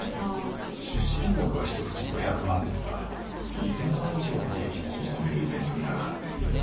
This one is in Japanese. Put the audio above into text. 出資金額は１口５００万ですが２０００万以上の利益も見込めるイベントになるはずですよ。